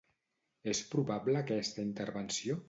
És probable aquesta intervenció?